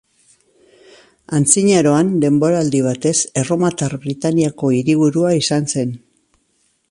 Antzinaroan denboraldi batez Erromatar Britaniako hiriburua izan zen.